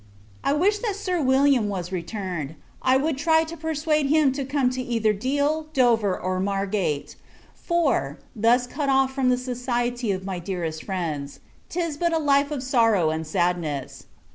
I wish that Sir William was returned; I would try and persuade him to come to either Deal, Dover, or Margate: for, thus cut off from the society of my dearest friends, 'tis but a life of sorrow and sadness.